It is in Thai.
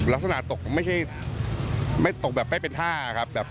ลักษณะตกไม่ใช่ไม่ตกแบบไม่เป็นท่าครับ